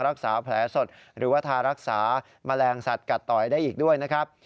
รักษาแผลสดหรือว่าทารักษาแมลงสัตว์กัดต่อยได้อีกด้วยนะครับ